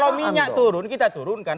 kalau minyak turun kita turunkan